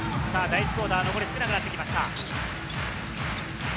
第１クオーター、残り少なくなってきました。